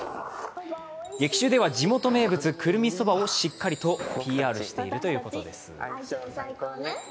劇中では地元名物くるみそばをしっかりとＰＲしているということです。